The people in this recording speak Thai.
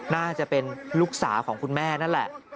น่าจะเป็นลูกสาวของคุณแม่นั่นแหละ